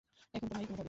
এখন তো নয়ই, কোনভাবেই।